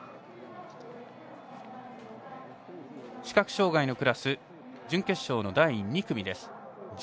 視覚障がいのクラス準決勝の第２組です。